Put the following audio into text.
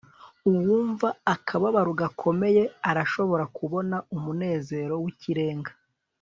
uwumva akababaro gakomeye arashobora kubona umunezero wikirenga